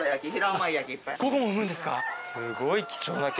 午後も産むんですか。